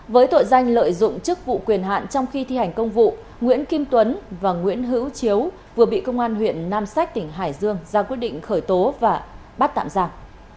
với tội danh lợi dụng chức vụ quyền hạn trong khi thi hành công vụ nguyễn kim tuấn và nguyễn hữu chiếu vừa bị công an huyện nam sách tỉnh hải dương ra quyết định khởi tố và bắt tạm giả